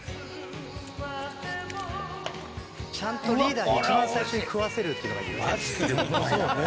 ちゃんとリーダーに一番最初に食わせるっていうのがいいよね。